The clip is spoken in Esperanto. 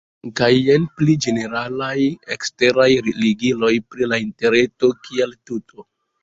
Kaj jen pli ĝeneralaj eksteraj ligiloj pri la interreto kiel tuto.